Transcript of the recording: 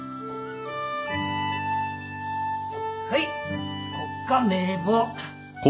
はいこっが名簿。